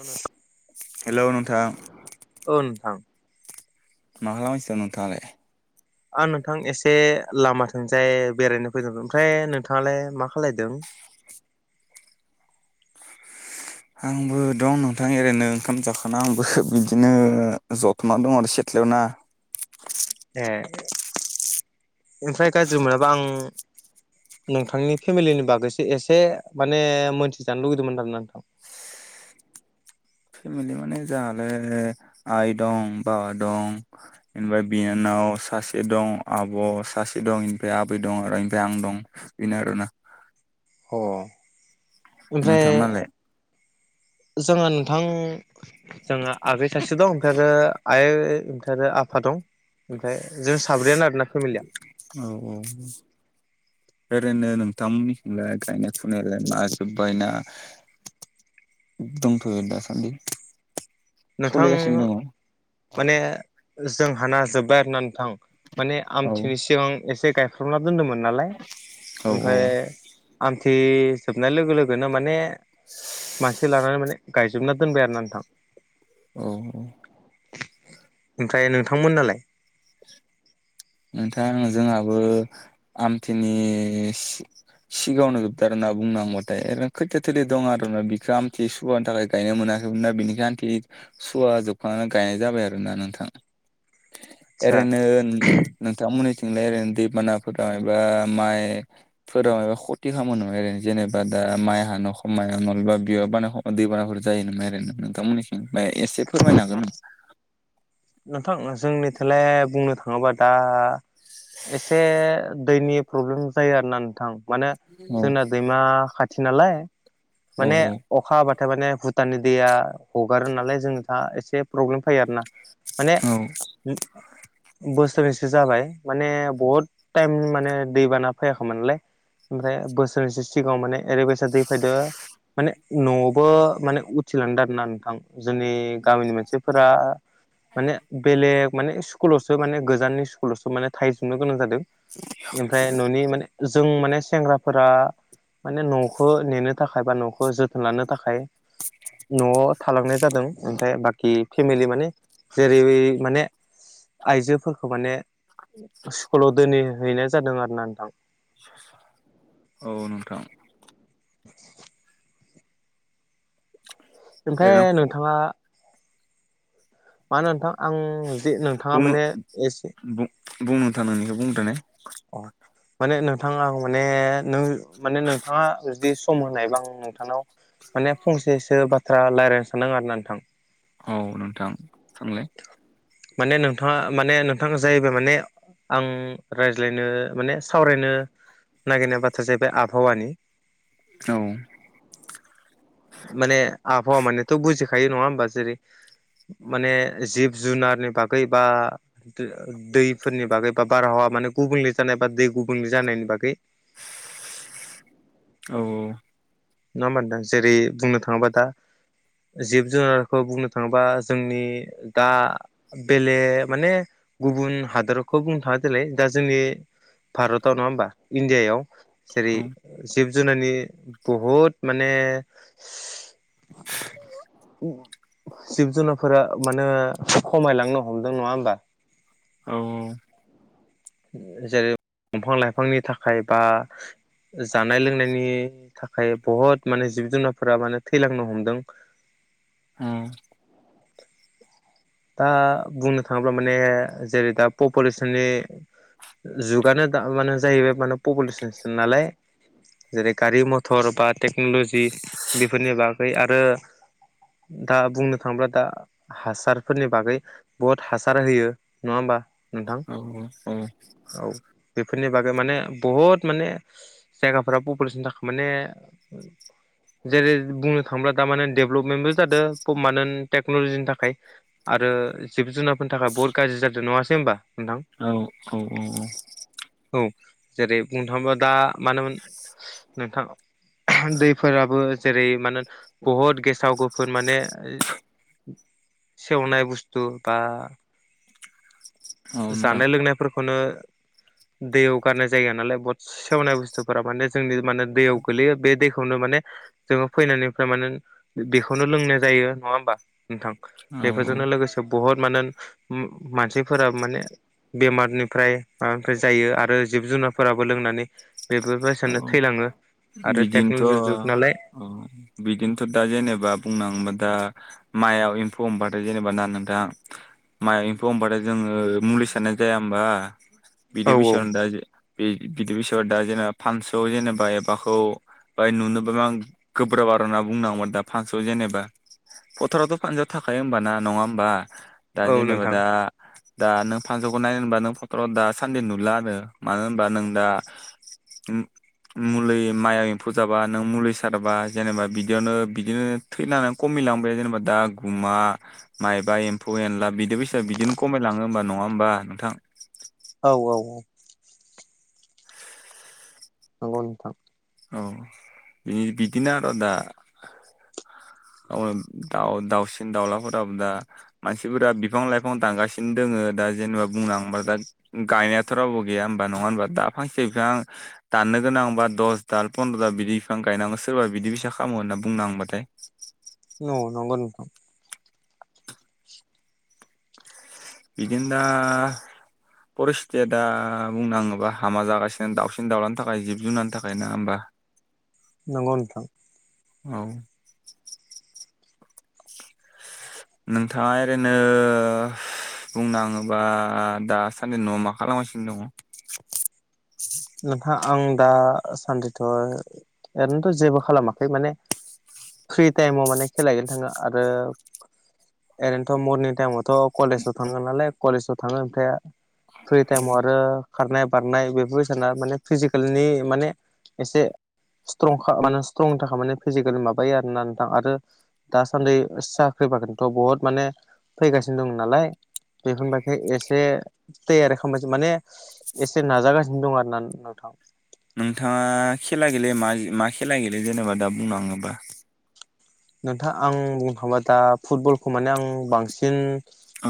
औ नोंथां हेल' नोंथां। औ नोथां। मा खालामबा मानसियाव नोंथाङालाय आ नोंथां एसे लाम थोंजाय बेरायनो फैदों ओमफ्राय नोंथाङालाय मा खालायदों। आंबो दं नोंथां ओरैनो ओंखाम जाखां आंबो बिदिनो जथोनना दं आरो सिथ्लायाव ना ए ओमफ्राय गाज्रि मोनाबा आं नोंथांनि फेमिलिनि बागैसो एसे माने मोनथिजानो लुगैदोंमोन आरोना नोंथां। फेमिलि माने जोंहाले आइ दं बाबा दं। बेनिफ्राय बिनानाव सासे दं आब' सासे दं बेनिफ्राय आबै दं आरो बेनिफ्राय आं दं। बि आरोना ह नोंथांनालाय? जोंहा नोंथां। जोंहा आगै सासे दं ओमफ्राय आरो आइ ओमफ्राय आरो आफा दं। ओमफ्राय जों साब्रैयानो आरोना फेमिलिया औ औ। ओरैनो नोंथांमोननिजोंलाय गायनाय फुनायलाय माजोबबायना। दंथ'यो दासान्दि। नोंथां सोलिगासिनो दङ औ माने जोंहााना जोब्बाय होननाथां माने आमथिनि सिगां एसे गायफ खोमना दोन्दोंमोन नालाय औ ओमफ्राय। आमथिजोबनाय लोगो लोगोनो माने मानसे लानानै माने। गायजोबना दोनबाय आरो नोंथां औ औ। ओमफ्राय नोंथांमोन नालाय। नोंथां जोंहाबो आमथिनि सिगाङावनो जोबदार ना बुंनांनैबाथाय आरो खैथाया थोदै दं आर ना बिखौ आमथि सुवानि थाखाय गायनो मोनाखैमोन दा बिनिखाय आन्थि सुवा जोबखांनानै गायनाय जाबाय आरोना नोंथां। [inaudible] ओरैनो नोंथांमोननिथिंलाय ओरैनो दैबानाफोरा एबा माइ फोराव मबा खथि खामानि नाय आरो जेनेबा दा माइ हानो खाया नलबा बिहा बानो अ दैबानाफोर जायो नाय नोंथांमोननिसिं फ्राय एसे फोरमायनो हागोन ना। नोंथां जोंनिथोलाय बुंनो थाङोबा दा एसे दैनि प्रब्लेम जायो आरो ना नोंथां माने औ जोंना दैमा खाथि थिनालाय औ माने अखा हाबाथाय माने भुटाननि दैया हगारो नालाय जों दा एसे प्रब्लेम फैयो आरो ना माने औ बोसोरनैसो जाबाय माने बहुद टाइम माने दैबाना फैयाखैमोनलाय ओमफ्राय बोसोरसे सिगाङाव माने ओरैबायसा दै फैदो माने न'आवबो माने उथिनानै दाना आरो ना नोंथां जोंनि गामिनि मानसिफोरा माने बेलेग माने स्कुलावसो माने गोजाननि स्कुलावसो माने थाहैजोबनो गोनां जादों ओमफ्राय न'नि माने जों माने सेंग्राफोरा माने न'खौ नेनो थाखाय बा न'खौ जोथोन लानो थाखाय न'आव थालांनाय जादों ओमफ्राय बाखि फेमिलि माने जेरै माने आइजोफोरखौ माने स्कुलाव दोनहै हैनो जादों आरोना नोंथां औ नोंथां [inaudible] ओरैनो ओमफ्राय नोंथाङा मानो नोंथां आं जे नोंथाङा बुंनो माने एसे बुं बुं नोथां नोंनिखौ बुंनो अ माने नोंथाङा माने नों माने नोंथाङा जुदि सम होनायबा आं नोंथांनाव माने फंसेसो बा बाथ्रा रायलायनो सानाङा आरो नोंथां औ नोंथां सोंलाय माने नोंथाङा माने नोंथाङा जायबा माने आं लायनो माने सावरायनो नागिरनाय बाथ्राया जाहैबाय आबहावानि औ माने आबहावा मानेथ' बुजिखायो नङा होमबा जेरै माने जिब जुनारनि बागै बा दैफोरनि बागै बा बारहावा माने गुबुंले जानाय बा दै गुबुंले जानायनि बागै औ नङा होमबा नोंथां जेरै बुंनो थाङोबा दा जिब जुनारखौ बुंनो थाङोबा जोंनि दा बेले माने गुबुन हादरखौ बुंनो थाङा नालाय दा जोंनि भारताव नङा होमबा इण्डियायाव जेरै औ जिब जुनारनि बहुत माने औ जिब जुनारफोरा माने खमायलांनो हमदों नङा होमबा औ औ जेरै दंफां लाइफांनि थाखाय बा जानाय लोंनायनि थाखाय बहुत माने जिब जुनारफोरा माने थैलांनो हमदों औ दा बुंनो थाङोब्ला माने जेरै दा पपुलेसननि जुगानो दा मानो जाहैबाय पपुलेसन नालाय जेरै गारि मथर बाथ टेक्न'लजि बेफोरनि बागै आरो दा बुंनो थाङोब्ला दा हासारफोरनि बागै बहुद हासार होयो नङा होमबा नोंथां औ औ औ बेफोरनि बागै माने बहुद माने जायगाफोरा पपुलेसन थाखाय माने जेरै बुंनो थाङोब्ला दा माने डेभलपमेन्टबो जादों पारमानेन्ट टेक्न'लजिनि थाखाय आरो जिब जुनारफोरनि थाखाय बहुत गाज्रि जादों नङासै होनबा नोंथां औ औ औ औ औ जेरै बुंनो थाङोबा दा मानोमोन नोंथां दैफोर जेरै मानो बुहुत गेसाव गोफोन माने सेवनाय बुस्थु बा [inaudible] जानाय लोंनायफोरखौनो दैयाव गारनाय जायगा नालाय बद सेवनाय बुस्थुफोरा माने जोंनि माने दैयाव गोलैयो बे दैखौनो माने जोङो फैनायनिफ्राय माने बेखौनो लोंनाय जायो नङा होमबा नोंथां? औ बेफोरजोंनो लोगोसे बहुत माने मानसिफोराबो माने बेमारनिफ्राय माबानिफ्राय जायो आरो जिब जुनारफोराबो लोंनानै बेबो औ बायसिानो थैलाङो आरो टेक्न'लजि जुग नालाय अ बिदिनोथ' दा जेनेबा बुंनोङोबा दा माइयाव एम्फौ हबाथाय जेनेबा ना नोंथाङा माइ एम्फौ ह होनबथाय जोङो मुलि सारनाय जाया होमबा? औ बिदि औ बैसनो दा बिदि बैस दा जेनेा फानसु जेनेबा एबाखौ ओमफ्राय नुनो आं गोब्राब आरो होनना बुंनांगौ आरो दा फांसआव जेनेबा फोथारावथ' पान्जाब थाखायायो हबाना नङा होमबा दा औ जेनेबा नोंथां दा दा नों फाससौखौ नायनो होनबा नों फट'व दा सान्दि नुला आरो मानो होनबा नों दा [inaudible] मुलि माइया एम्फौ जाबा नों मुलि सारबा जेनेबा बिदियावनो बिदिनो। थै लनानै खम मिलांबाय जेनेबा दा गुमा माइबा एम्फौ एनला बिदि फैसा बिदिनो खमायलाङो हबा नङा होमबा नोंथां। औ औ औ। नंगौ नोंथां। औ बि बिदिनो आरो दा दाउ दाउसिन दाउलाफोराबो दा मानसिफोरा बिफां लाइफां दांगासिनो दङ दा जेनेबा बुंनोबा दा गायनायथ' रावबो गैया हबा नङा होनबा दा फांसे बिफां दाननो गोनांबा दस दाल फन्द्र' दाल बिदि बिफां गायनांगौ सोरबा बिदि फैसा खामो होनना बुंनांबाथाय नंगौ नंगौ नोंथां। बिदिनो दा। फरिस्थिथिया दा बुंनोाङोबा हामा जागासिनो दाउसिन दाउलानि थाखाय जिब जुनारनि थाखाय ना होमबा? नंगौ नोंथां। औ। नोंथाङा ओरैनो बुंनाङोबा दासान्दि न'आव मा खालामगासिनो दङ नोंथाङ आं दासान्दिथ' ओरैनोथ' जेबो खालामाखै माने फ्रि टाइमाव माने खेलायगोन थाङो आरो ओरैनोथ' मरनिं टाइमाव थ' कलेजाव थाङोन नालाय कलेजाव थाङो ओमफ्राय फ्रि टाइमाव आरो खारनाय बारनाय बेफोर साना माने फिजिकेलनि माने एसे स्ट्रं मे स्ट्रंनि थाखाय माने फिजिकेलि माबायो आरोना नोंथां आरो दासान्दि साख्रि बाखोनथ' बहुत माने फैगासिनो दं नालाय बेखौबाख एसे थे आरो खालामबायसो माने एसे नाजागासिनो दं आरो ना नोंथां। नोंथाङा खेला गेले म मा खेला गेले जेनेबा दा बुंनो थाङोबा नोंथाङ आं बुंनो थाङोबा दा फुटबलखौ माने आं बांसिन औ।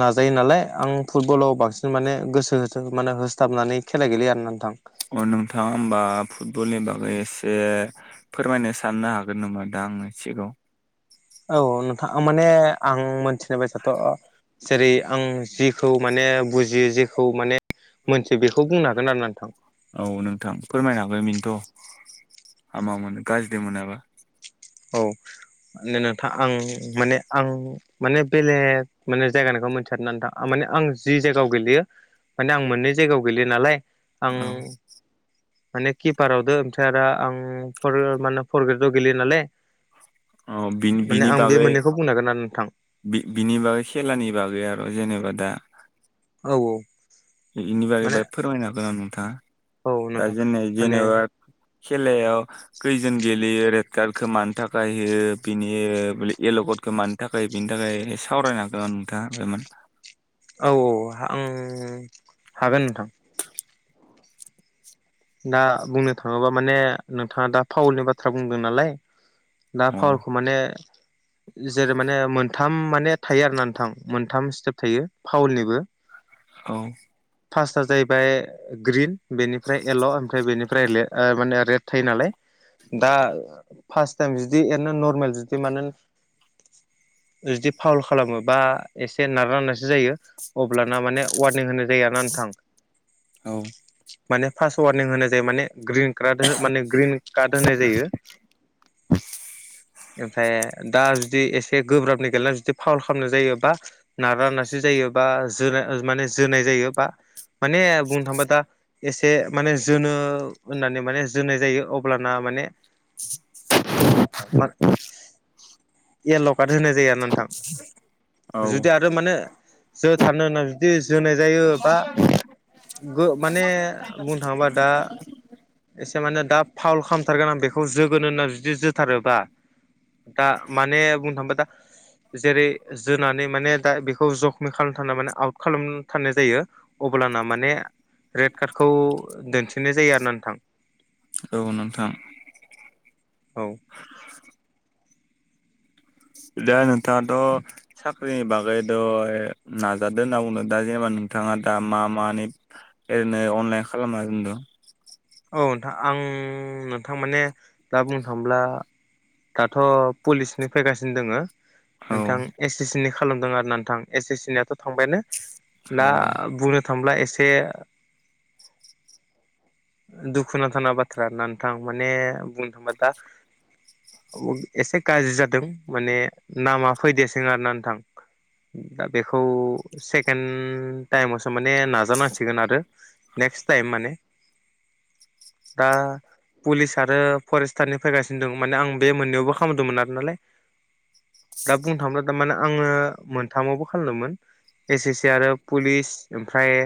नाजायो नालाय आं फुटबलाव बांसिन माने गोसो हो माने होसथाबनानै खेला गेलेयो आरो नोंथां। अ नोंथाङा होमबा फुटबलनि बागै एसे फोरमायनो साननो हागोन नामा दा आङो सिगाङाव औ नोंथां माने आं मोनथिनाय ब जाथ' जेरै आं जि माने बुजियो जेखौ माने मोनथियो बेखौ बुंनो हागोन आरो ना नोंथां। औ नोंथां फोरमायनो हाबायमोननोथ' हामा मोनो गाज्रिजों मोनाबा औ मे नोंथां आं माने आं माने बेलेग माने जायगानिखौ मिथिारथां माने आं जि जायगायाव गेलेयो माने आं मोननै जायगायाव गैयो नालाय आं औ माने किपारावदो ओमफ्राय आरोदा आं फ्र माने फर ग्रेडव गेलेयो नालाय औ बि माने बिनि आं बे बागै मोननैखौ बुंनो हागोन आरो नोंथां बि बिनि बागै खेलानि बागै आरो जेनेबा दा औ औ बेनि बागै माने फोरमायना गोनां औ नोंथाङा दा नोंथां जेन माने जेनेबा खेलायाव खैजोन गेलेयो आरो गार्डखौ मानो थाखाय हो बिनि एलगदखौ मानो थाखाय बिनि थाखाय सावरायन हांगोन दा बेमोन औ औ आं हागोन नोंथां दा बुंनो थाङोबा माने नोंथाङा दा फाावलनि बाथ्रा बुंदों नालाय दा औ पावारखौ माने जेरै माने मोनथाम माने थायो आरो ना नोंथां मोनथाम स्टेप थायो फावलनिबो औ फार्स्टआ जाहैबाय ग्रिन बेनिफ्राय येल्ल' ओमफ्राय बेनिफ्राये माने रेट थायो नालाय दा फार्स्ट टाइम बिुदि एरनो नरमेल जुदि मान जुदि फावल खालामो बा एसे नारा नारसो जायो अब्लाना माने वारनिं होनाय जाय ना नोंथां औ पास वारनिं होनाय जायो माने ग्रिन कार्ड माने ग्रिन कार्ड होनाय जायो ओमफफ्राय दा जुदि एसे गोब्राबनि गेलेला जुदि फावल खालामनाय जायो बा नारा नारसिि जायो बा जोनाय माने जोनाय जायो बा माने बुंनो थांबा दा एसे माने जोनो होननानै माने जोनाय जायो अब्लाना माने बि मा इयाल काट होनाय जायो आरो नोंथां औ जुदि आरो माने जो थानो होननानै जुदि जोनाय जायो बा माने बुंनो थाङोबा दा एसे माने दा फावल खालामथारगोन आं बेखौ जोगोनो होनना जुदि जोथारोबा दा माने बुंनो थांयोबा दा जेरै जोनानै माने दा बेखौ जखम खालाम थना माने आउट खालामथनाय जायो अब्लाना माने रेड कार्डखौ दोनथिनाय जायो आरोना नोंथां औ नोंथां औ दा नोंथाङाथ' साख्रिनि बागै द' नाजादों होनना बुंनो दा जेनेबा नोंथाङा दा मा मानि ओरैनो अनलाइन खालामा दोनदों औ नोंथां आं नोंथां माने दा बुंनो थाङोब्ला दाथ' पुलिसनि फैगासिनो दङो औ नोंथां एस ए सिनि खालामदों आरो ना नोंथां एस ए सिनियाथ' थांबायानो औ दा बुंनो थांब्ला एसे दुखुुनांथावा बाथ्रा होनना नोंथां माने बुंनो थांबा दा एसे गाज्रि जादों माने नामा फैदेरसोन आरो ना नोंथां दा बेखौ सेकेणड टाइमावसो माने नाजानांसिगोन आरो नेक्स्ट टाइम माने दा पुलिस आरो फरेस्टारनि फैगासिनो दं माने आं बे मोननैबो ख खालामदोंमोन आरो नालाय दा बुंनो थाङो थारमाने आङो मोनथामावबो खालामदोंमोन एस एस सि आरो पुलिस ओमफ्राय